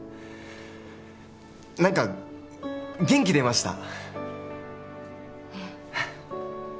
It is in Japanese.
何か元気出ました